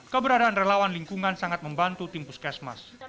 kemudian relawan lingkungan sangat membantu timpuskesmas